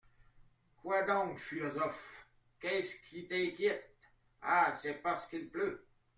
Quoi donc, philosophe ? qu'est-ce qui t'inquiète ?… Ah ! c'est parce qu'il pleut.